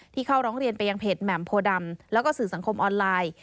เข้าร้องเรียนไปยังเพจแหม่มโพดำแล้วก็สื่อสังคมออนไลน์